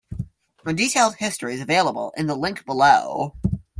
A detailed history is available in the link below.